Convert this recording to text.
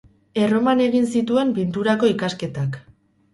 Erroman egin zituen pinturako ikasketak.